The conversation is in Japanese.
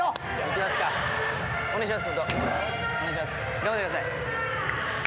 頑張ってください。